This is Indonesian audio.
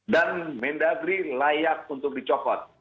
dan mendagri layak untuk dicopot